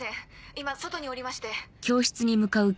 今外におりまして。